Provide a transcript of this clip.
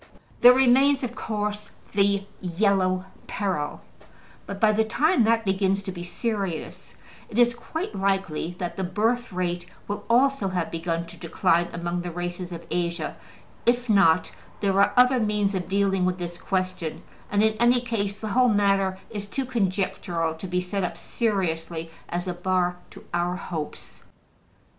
There remains, of course, the Yellow Peril; but by the time that begins to be serious it is quite likely that the birth rate will also have begun to decline among the races of Asia If not, there are other means of dealing with this question; and in any case the whole matter is too conjectural to be set up seriously as a bar to our hopes.